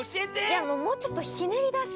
いやもうちょっとひねりだしてよ。